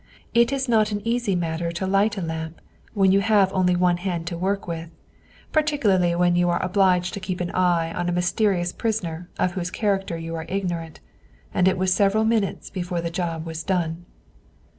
It is not an easy matter to light a lamp when you have only one hand to work with, particularly when you are obliged to keep an eye on a mysterious prisoner of whose character you are ignorant; and it was several minutes before the job was done.